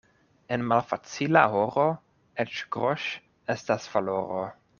En malfacila horo eĉ groŝ' estas valoro.